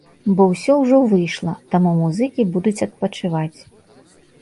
Бо ўсё ўжо выйшла, таму музыкі будуць адпачываць.